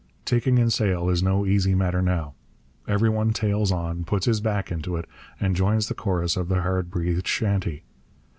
Taking in sail is no easy matter now. Every one tails on, puts his back into it, and joins the chorus of the hard breathed chanty.